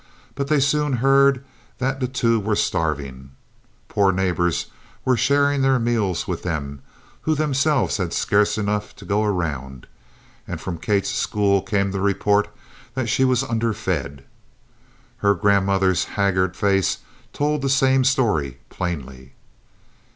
But they soon heard that the two were starving. Poor neighbors were sharing their meals with them, who themselves had scarce enough to go around; and from Kate's school came the report that she was underfed. Her grandmother's haggard face told the same story plainly.